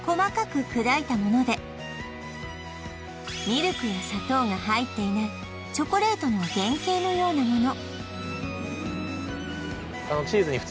ミルクや砂糖が入っていないチョコレートの原型のようなもの